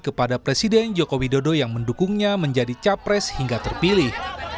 kepada presiden joko widodo yang mendukungnya menjadi capres hingga terpilih